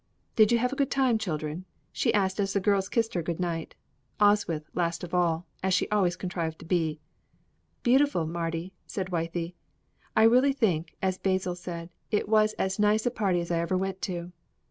"Did you have a good time, children?" she asked as the girls kissed her good night, Oswyth last of all, as she always contrived to be. "Beautiful, Mardy," said Wythie. "I really think, as Basil said, it was as nice a party as I ever went to."